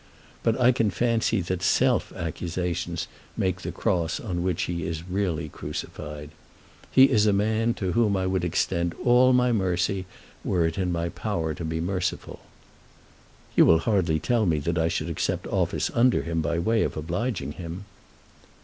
But I can fancy that self accusations make the cross on which he is really crucified. He is a man to whom I would extend all my mercy, were it in my power to be merciful." "You will hardly tell me that I should accept office under him by way of obliging him."